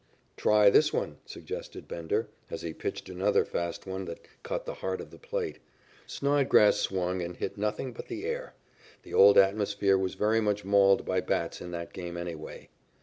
"Try this one," suggested Bender, as he pitched another fast one that cut the heart of the plate. Snodgrass swung and hit nothing but the air. The old atmosphere was very much mauled by bats in that game anyway.